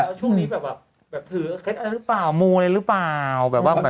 ช่วงนี้แบบเผลอเค็ดอะไรหรือเปล่ามูลอะไรหรือเปล่า